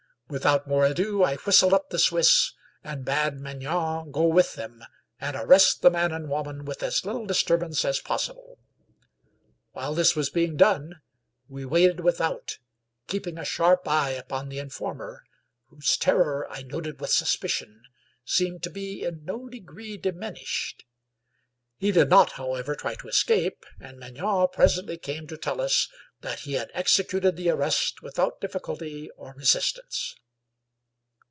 Without more ado I whistled up the Swiss and bade Maignan go with them and arrest the man and woman with as little disturbance as possible. While this was being done we waited without, keeping a sharp eye upon the informer, whose terror, I noted with suspicion, seemed to be in no degree diminished. He did not, how ever, try to escape, and Maignan presently came to tell us 151 English Mystery Stories that he had executed the arrest without difficulty or re sistance.